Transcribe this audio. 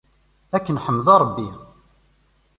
Ad k-neḥmed a Rebbi!